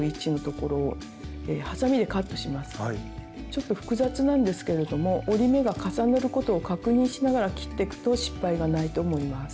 ちょっと複雑なんですけれども折り目が重なることを確認しながら切ってくと失敗がないと思います。